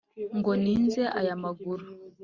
ngo ninze aya maguru,